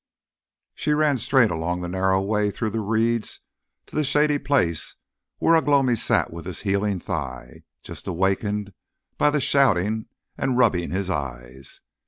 She ran straight along the narrow way through the reeds to the shady place where Ugh lomi sat with his healing thigh, just awakened by the shouting and rubbing his eyes.